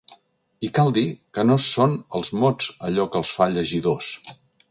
I cal dir que no són els mots allò que els fa llegidors.